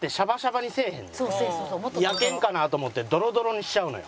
焼けんかなと思ってドロドロにしちゃうのよ。